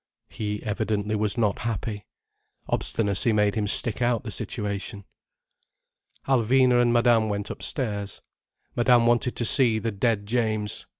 He evidently was not happy. Obstinacy made him stick out the situation. Alvina and Madame went upstairs. Madame wanted to see the dead James.